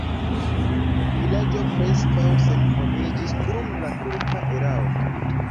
La vilaĝo preskaŭ senhomiĝis dum la turka erao.